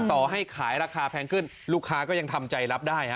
ต่อให้ขายราคาแพงขึ้นลูกค้าก็ยังทำใจรับได้